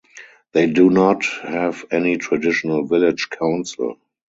They do not have any traditional village council.